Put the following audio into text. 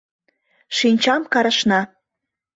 Шинчам карышна.